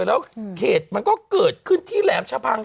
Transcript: แล้วเหตุมันก็เกิดขึ้นที่แหลมชะพัง